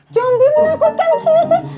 zombie menakutkan gue